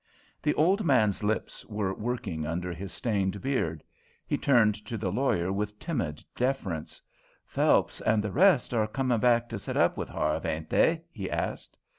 The old man's lips were working under his stained beard. He turned to the lawyer with timid deference: "Phelps and the rest are comin' back to set up with Harve, ain't they?" he asked.